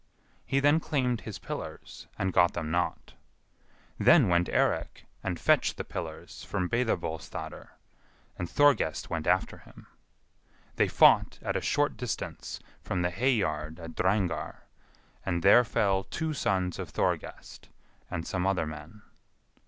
He then claimed his pillars, and got them not. Then went Eirik and fetched the pillars from Breidabolstadr, and Thorgest went after him. They fought at a short distance from the hay yard at Drangar, and there fell two sons of Thorgest, and some other men.